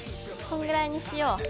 こんぐらいにしよう。